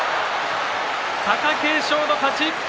貴景勝の勝ち。